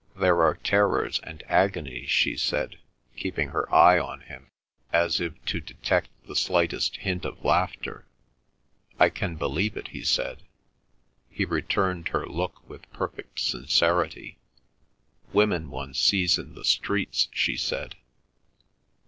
"There are terrors and agonies," she said, keeping her eye on him as if to detect the slightest hint of laughter. "I can believe it," he said. He returned her look with perfect sincerity. "Women one sees in the streets," she said.